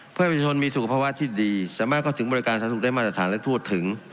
เพื่อให้ประชาชนมีสุขภาวะที่ดีสามารถเข้าถึงบริการสาธารณสุขได้มาตรฐานและทั่วถึง